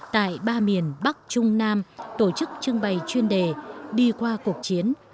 tại ba miền bắc trung nam tổ chức trưng bày chuyên đề đi qua cuộc chiến